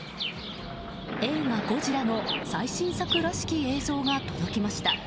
映画「ゴジラ」の最新作らしき映像が届きました。